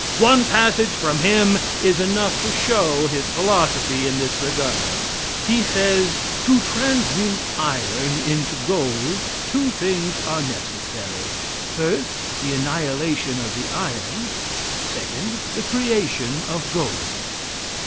One passage from him is enough to show his philosophy in this regard. He says: "To transmute iron into gold two things are necessary. First, the annihilation of the iron; second, the creation of gold."